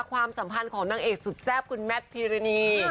ความสัมพันธ์ของนางเอกสุดแซ่บคุณแมทพิรณี